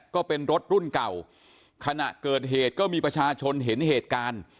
ก็เป็นรถรุ่นเก่าขณะเกิดเหตุก็มีประชาชนเห็นเหตุการณ์